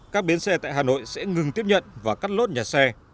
các bến xe tại hà nội sẽ ngừng tiếp nhận và cắt lốt nhà xe